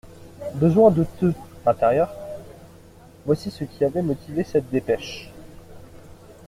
Besoin de te »_Intérieur._» Voici ce qui avait motivé cette dépêche.